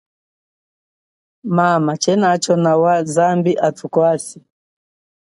Mama, chenacho nawa, zambi athukwase.